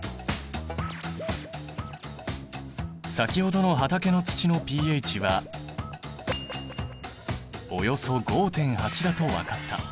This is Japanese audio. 先ほどの畑の土のｐＨはおよそ５．８だと分かった。